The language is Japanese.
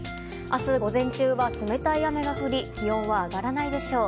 明日午前中は、冷たい雨が降り気温は上がらないでしょう。